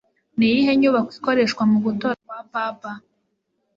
Niyihe nyubako ikoreshwa mugutora kwa Papa?